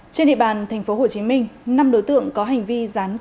trên địa bàn tp hcm năm đối tượng có hành vi rán quảng cáo